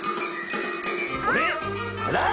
あれ⁉